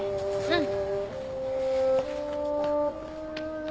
うん。